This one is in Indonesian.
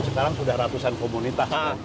sekarang sudah ratusan komunitas